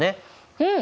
うん！